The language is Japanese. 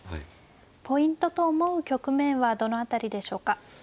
ポイントと思う局面はどの辺りでしょうか。